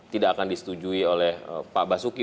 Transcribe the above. tidak akan disetujui oleh pak basuki